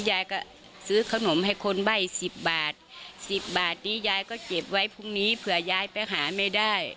ยายก็ซื้อขนมให้คนใบ้๑๐บาท๑๐บาทนี้ยายก็เก็บไว้พรุ่งนี้เผื่อยายไปหาไม่ได้